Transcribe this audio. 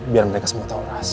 biar mereka semua tau rahasia